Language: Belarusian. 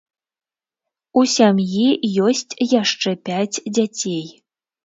У сям'і ёсць яшчэ пяць дзяцей.